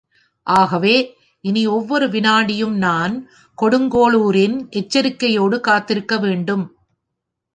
ஆகவே, இனி ஒவ்வொரு விநாடியும் நான் கொடுங்கோளூரின் எச்சரிக்கையோடு காத்திருக்க வேண்டும்.